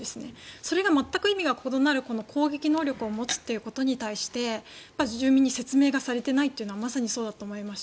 それで意味が異なる攻撃能力を持つことに対して住民に説明がされていないのはまさにそうだと思いますし。